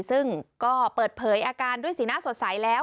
ซึ่งก็เปิดเผยอาการด้วยสีหน้าสดใสแล้ว